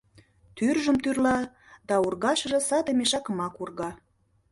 Тӱржым тӱрла да ургашыже саде мешакымак урга.